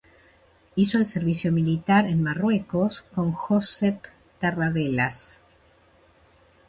Hizo el servicio militar en Marruecos con Josep Tarradellas.